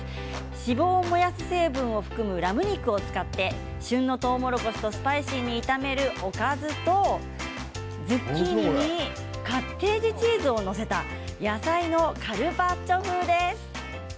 脂肪を燃やす成分を含むラム肉を使って旬のとうもろこしとスパイシーに炒めるおかずとズッキーニにカッテージチーズを載せた野菜のカルパッチョ風です。